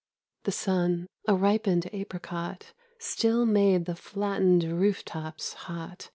The sun, a ripened apricot. Still made the flattened roof tops hot.